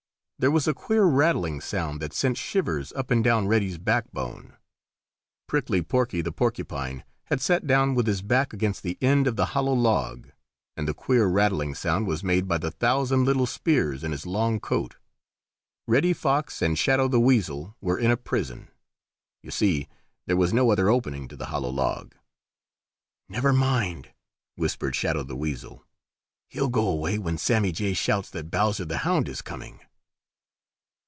There was a queer rattling sound that sent shivers up and down Reddy's backbone. Prickly Porky the Porcupine had sat down with his back against the end of the hollow log, and the queer rattling sound was made by the thousand little spears in his long coat. Reddy Fox and Shadow the Weasel were in a prison. You see there was no other opening to the hollow log. "Never mind," whispered Shadow the Weasel, "he'll go away when Sammy Jay shouts that Bowser the Hound is coming."